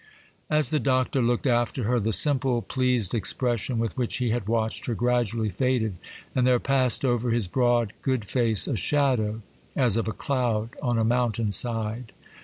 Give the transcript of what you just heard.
As the Doctor looked after her, the simple, pleased expression with which he had watched her, gradually faded, and there passed over his broad, good face, a shadow, as of a cloud on a mountain side.